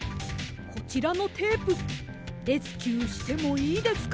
こちらのテープレスキューしてもいいですか？